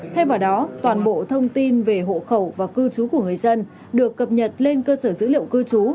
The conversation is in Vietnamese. thay vào đó toàn bộ thông tin về hộ khẩu và cư trú của người dân được cập nhật lên cơ sở dữ liệu cư trú